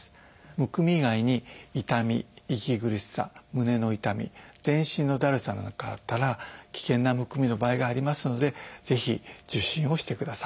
むくみ以外に痛み息苦しさ胸の痛み全身のだるさなんかがあったら危険なむくみの場合がありますのでぜひ受診をしてください。